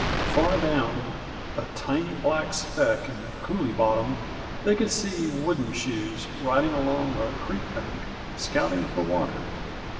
Far down, a tiny black speck in the coulee bottom, they could see Wooden Shoes riding along the creek bank, scouting for water.